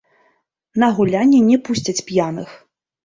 На гулянні не пусцяць п'яных.